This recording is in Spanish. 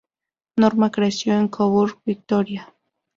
Norman creció en Coburgo, Victoria.